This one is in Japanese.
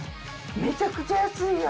めちゃくちゃ安いやん。